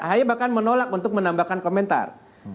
ahy bahkan menolak untuk menambahkan komentar